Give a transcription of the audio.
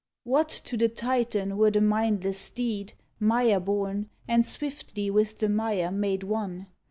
What to the Titan were the mindless deed, Mire born, and swiftly with the mire made one?